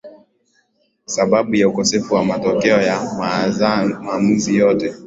sababu ya ukosefu wa matokeo ya maamuzi yote